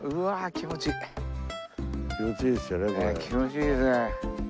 気持ちいいですよねこれ。